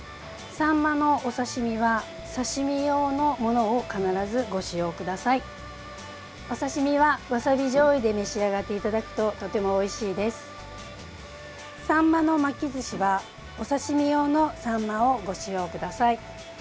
サンマの巻きずしはお刺身用のサンマをご使用ください。